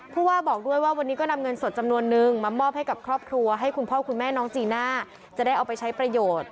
ผู้ว่าบอกด้วยว่าวันนี้ก็นำเงินสดจำนวนนึงมามอบให้กับครอบครัวให้คุณพ่อคุณแม่น้องจีน่าจะได้เอาไปใช้ประโยชน์